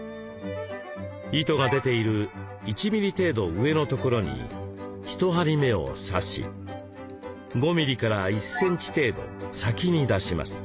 糸が出ている１ミリ程度上のところに一針目を刺し５ミリから１センチ程度先に出します。